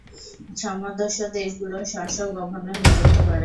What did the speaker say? সদস্য দেশগুলো স্ব-স্ব গভর্নর নিযুক্ত করে।